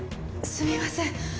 すみません。